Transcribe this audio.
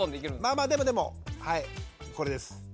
まあまあでもでもはいこれです。